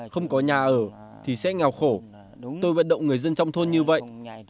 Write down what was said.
không có nhà ở thì sẽ nghèo khổ tôi vận động người dân trong thôn như vậy